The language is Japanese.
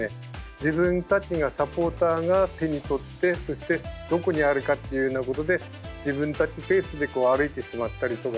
自分たちがサポーターが手に取ってそしてどこにあるかっていうようなことで自分たちペースで歩いてしまったりとかですね